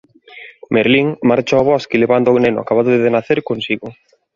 Merlín marcha ao bosque levando o neno acabado de nacer consigo.